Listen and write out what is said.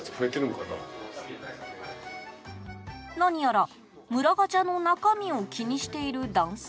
何やら、村ガチャの中身を気にしている男性。